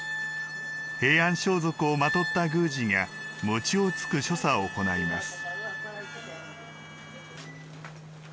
平安装束をまとった宮司が餅をつく所作を行います。